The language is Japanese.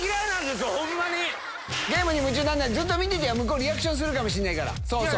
ゲームに夢中になんないで見ててよリアクションするかもしれないから。